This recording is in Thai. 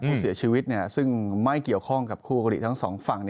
ผู้เสียชีวิตซึ่งไม่เกี่ยวข้องกับคู่กรณีทั้งสองฝั่ง